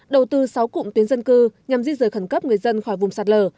đầu tư sáu cụm tuyến dân cư nhằm di rời khẩn cấp người dân khỏi vùng sạt lở